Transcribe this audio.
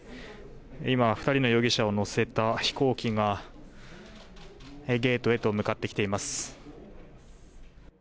２人の容疑者を乗せた飛行機がゲートへと向かってきています。